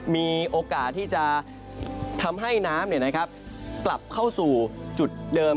มีโอกาสที่จะทำให้น้ำกลับเข้าสู่จุดเดิม